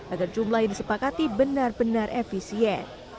agar jumlah yang disepakati benar benar efisien